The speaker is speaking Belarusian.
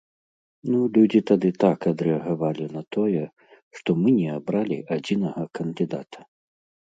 Ну, людзі тады так адрэагавалі на тое, што мы не абралі адзінага кандыдата!